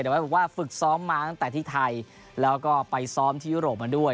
แต่ว่าฝึกซ้อมมาตั้งแต่ที่ไทยแล้วก็ไปซ้อมที่ยุโรปมาด้วย